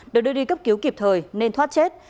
được đưa đi cấp cứu kịp thời nên thoát chết